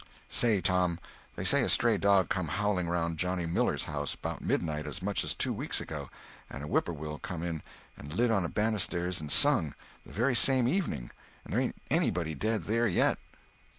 "Say, Tom—they say a stray dog come howling around Johnny Miller's house, 'bout midnight, as much as two weeks ago; and a whippoorwill come in and lit on the banisters and sung, the very same evening; and there ain't anybody dead there yet."